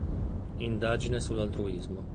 Indagine sull'altruismo.